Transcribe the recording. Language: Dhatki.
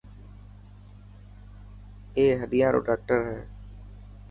اي هڏيان رو ڊاڪٽر هي.